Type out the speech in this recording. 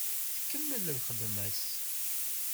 Tkemmel i lxedma-s.